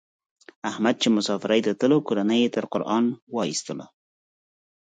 احمد چې مسافرۍ ته تللو کورنۍ یې تر قران و ایستلا.